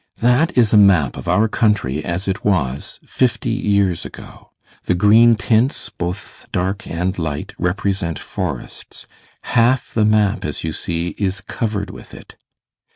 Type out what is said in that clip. That is a map of our country as it was fifty years ago. The green tints, both dark and light, represent forests. Half the map, as you see, is covered with it.